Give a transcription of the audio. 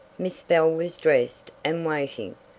Miss Bell was dressed and waiting.